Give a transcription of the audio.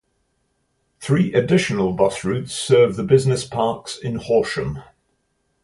Three additional bus routes serve the business parks in Horsham.